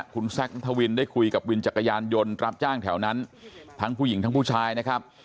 คุณแซคนัทวินได้คุยกับวินจักรยานยนต์รับจ้างแถวนั้นทั้งผู้หญิงทั้งผู้ชายนะครับ